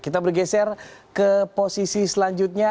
kita bergeser ke posisi selanjutnya